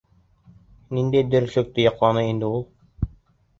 Ниндәй дөрөҫлөктө яҡланы инде ул?